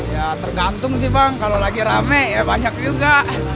ya tergantung sih bang kalau lagi rame ya banyak juga